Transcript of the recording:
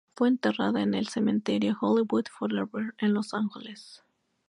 Fue enterrada en el Cementerio Hollywood Forever, en Los Ángeles.